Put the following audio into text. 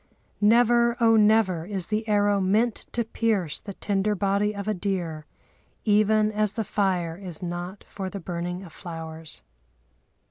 "Never, oh, never is the arrow meant to pierce the tender body of a deer, even as the fire is not for the burning of flowers."